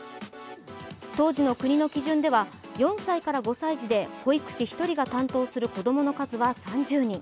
当時の国の基準では４歳から５歳児で保育士１人が担当する子供の数は３０人。